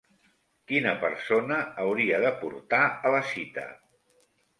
Quina persona hauria de portar a la cita?